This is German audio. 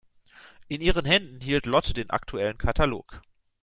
In ihren Händen hielt Lotte den aktuellen Katalog.